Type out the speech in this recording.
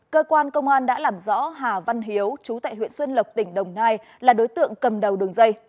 cơ quan công an đã làm rõ hà văn hiếu chú tại huyện xuân lộc tỉnh đồng nai là đối tượng cầm đầu đường dây